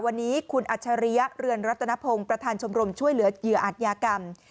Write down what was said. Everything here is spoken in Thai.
วันนี้คุณอัจฉริยะเรือนรัตนพงศ์ประธานชมรมช่วยเหลือเหยื่ออาจยากรรม